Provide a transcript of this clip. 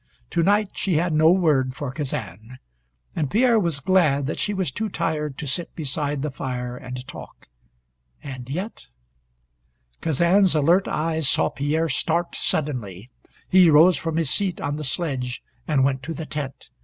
To night she had no word for Kazan. And Pierre was glad that she was too tired to sit beside the fire and talk. And yet Kazan's alert eyes saw Pierre start suddenly. He rose from his seat on the sledge and went to the tent.